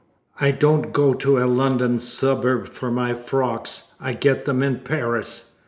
"I don't go to a London suburb for my frocks; I get them in Paris."